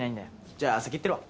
じゃあ先行ってるわ。